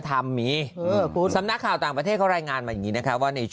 ทำกระเป๋าไม่ดี